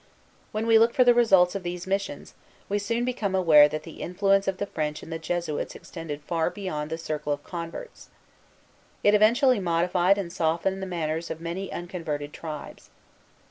When we look for the results of these missions, we soon become aware that the influence of the French and the Jesuits extended far beyond the circle of converts. It eventually modified and softened the manners of many unconverted tribes.